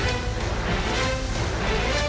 สวัสดีค่ะคุณผู้ชมต้อนรับเข้าสู่ชุวิตตีแสงหน้า